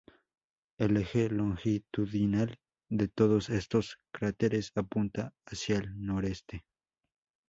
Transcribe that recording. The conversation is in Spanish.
El eje longitudinal de todos estos cráteres apunta hacia el noreste.